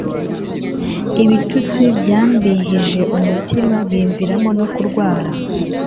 Ibitutsi byambihije umutima bimviramo no kurwara